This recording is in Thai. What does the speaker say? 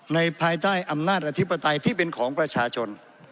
ภายใต้อำนาจอธิปไตยที่เป็นของประชาชน